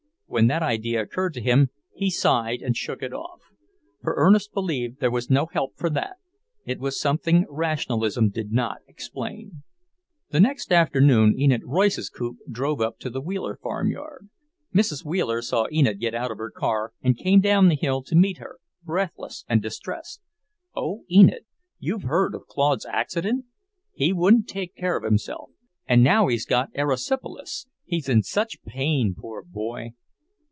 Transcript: When that idea occurred to him, he sighed and shook it off. For Ernest believed there was no help for that; it was something rationalism did not explain. The next afternoon Enid Royce's coupe drove up to the Wheeler farmyard. Mrs. Wheeler saw Enid get out of her car and came down the hill to meet her, breathless and distressed. "Oh, Enid! You've heard of Claude's accident? He wouldn't take care of himself, and now he's got erysipelas. He's in such pain, poor boy!"